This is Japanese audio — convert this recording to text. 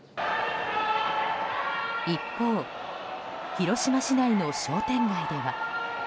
一方、広島市内の商店街では。